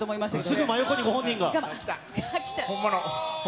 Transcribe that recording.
すぐ真横にご本人が。来た。